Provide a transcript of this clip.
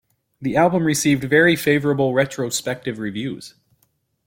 The album received very favourable retrospective reviews.